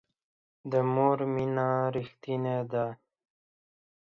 د مور مینه ریښتینې ده